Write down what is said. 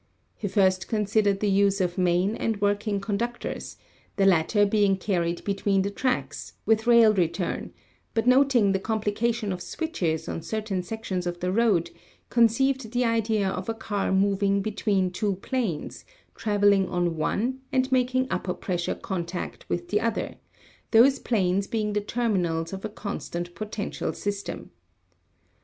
He first considered the use of main and working conduc tors, the latter being carried between the tracks, with rail return, but noting the complication of switches on certain sections of the road, conceived the idea of a car moving between two planes, traveling on one and making upper pressure contact with the other, those planes being the terminals of a constant potential system.